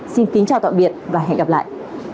xin kính chào tạm biệt và hẹn gặp lại